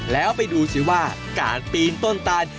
แล้วไปดูสิว่าการปีนต้นตาล